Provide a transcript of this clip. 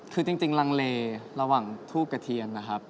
คือจริงลังเลระหว่างทูบกระเทียนนะครับ